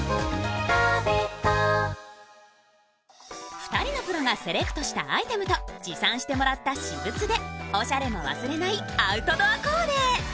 ２人のプロがセレクトしたアイテムと持参した私物でおしゃれも忘れないアウトドアコーデ。